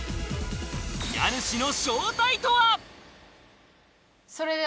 家主の正体とは？